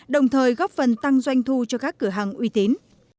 đồng thời góp phần tăng doanh thu cho các cửa hàng uy tín